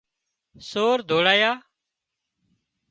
سور ڌوڙيا